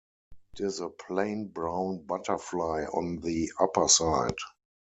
It is a plain brown butterfly on the upperside.